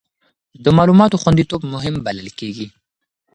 د معلوماتو خوندیتوب مهم بلل کېږي.